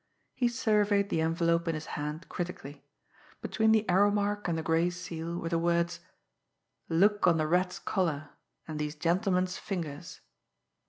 He surveyed the envelope in his hand critically. Between the arrow mark and the gray seal were the words: "Look on the Rat's collar and these gentlemen's fingers."